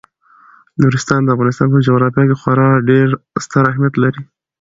نورستان د افغانستان په جغرافیه کې خورا ډیر ستر اهمیت لري.